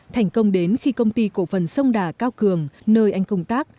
thành công đến khi công ty cổ phần sông đà cao cường nơi anh công tác